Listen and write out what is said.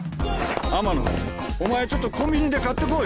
天野お前ちょっとコンビニで買ってこい！